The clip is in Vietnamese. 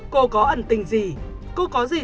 cô có ẩn tình gì cô có gì